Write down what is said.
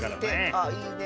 あっいいね。